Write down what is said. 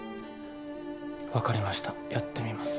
わかりましたやってみます。